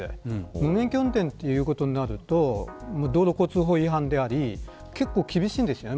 無免許運転になると道路交通法違反であり結構厳しいんですよね